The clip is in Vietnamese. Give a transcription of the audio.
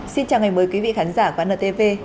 xin chào ngày mới quý vị khán giả của ntv